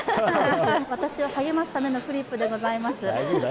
そうです、私を励ますためのフリップでございます。